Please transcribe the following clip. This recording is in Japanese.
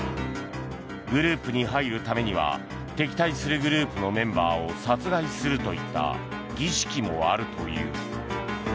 グループに入るためには敵対するグループのメンバーを殺害するといった儀式もあるという。